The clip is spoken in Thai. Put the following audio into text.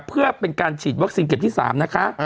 เพื่อเป็นการฉีดวัคซีนเข็มที่๓นะคะ